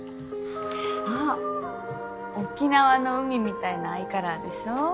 あっ沖縄の海みたいなアイカラーでしょ